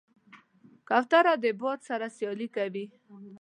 کوتره د باد سره سیالي کوي.